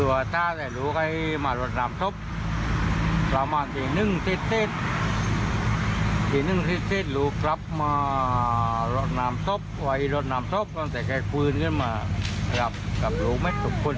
วัยรดนำศพตั้งแต่แค่ฟืนขึ้นมากลับโรงไม่สุขคุณ